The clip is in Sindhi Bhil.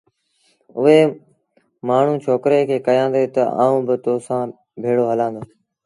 اُئي مآڻهوٚٚݩ ڇوڪري کي ڪهيآݩدي تا آئوݩ با تو سآݩ ڀيڙو هلآݩ دو